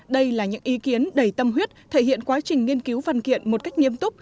đây là những ý kiến đầy tâm huyết thể hiện quá trình nghiên cứu văn kiện một cách nghiêm túc